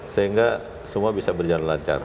sehingga semua bisa berjalan lancar